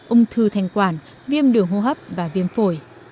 ung thư thanh quản viêm đường hô hấp và viêm phổi